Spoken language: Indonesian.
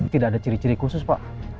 tidak ada ciri ciri khusus pak